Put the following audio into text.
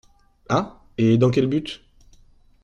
Ah ! et dans quel but ?